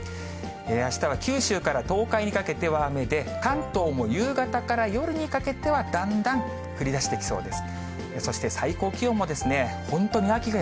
あしたは九州から東海にかけては雨で、関東も夕方から夜にかけては、だんだん降りだしてきそうです。